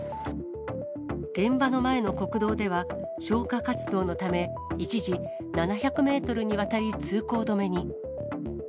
現場の前の国道では、消火活動のため、一時、７００メートルにわたり通行止めに。